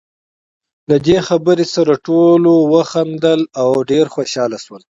له دې خبرې سره ټولو وخندل، او ډېر خوشاله شول.